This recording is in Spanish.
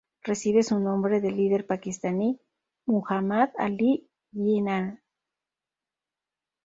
Recibe su nombre del líder pakistaní Muhammad Ali Jinnah.